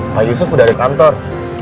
pak yusuf udah ada kantor